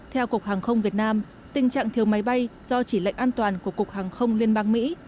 theo cục hàng không việt nam tình trạng thiếu máy bay do chỉ lệnh an toàn của cục hàng không liên bang mỹ